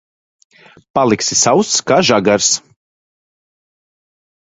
Paliksi sauss kā žagars.